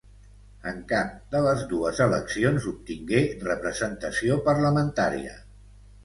En cap de les dues eleccions obtingué representació parlamentària.